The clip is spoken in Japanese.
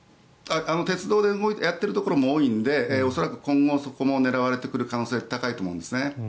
鉄道でやっているところも多いので恐らく今後、そこも狙われてくる可能性も高いと思います。